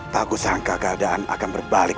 tak usahangka keadaan akan berbalik